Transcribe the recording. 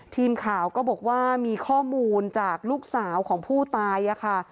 ทีมข่าวก็บอกว่ามีข้อมูลจากลูกสาวของผู้ตายค่ะ